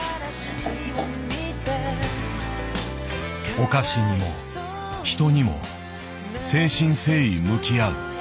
お菓子にも人にも誠心誠意向き合う。